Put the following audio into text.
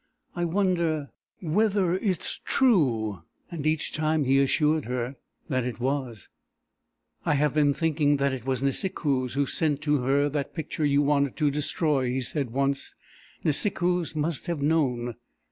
"I wonder whether it's true." And each time he assured her that it was. "I have been thinking that it was Nisikoos who sent to her that picture you wanted to destroy," he said once. "Nisikoos must have known."